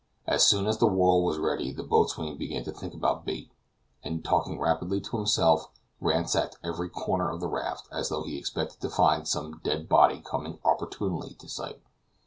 As soon as the whirl was ready the boatswain began to think about bait, and, talking rapidly to himself, ransacked every corner of the raft, as though he expected to find some dead body coming opportunely to sight.